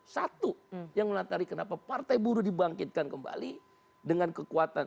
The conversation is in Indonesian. satu yang melatari kenapa partai buruh dibangkitkan kembali dengan kekuatan